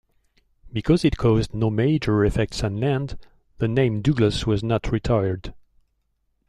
Because it caused no major effects on land, the name Douglas was not retired.